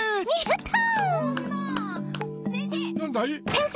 先生！